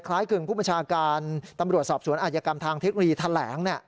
คล้ายกึ่งผู้ประชาการตำรวจสอบสวนอาจยกรรมทางเทคนีย์ทะแหลงเนี่ย